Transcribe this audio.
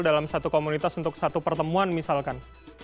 dalam satu komunitas untuk satu pertemuan misalkan